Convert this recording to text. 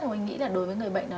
tôi nghĩ là đối với người bệnh đó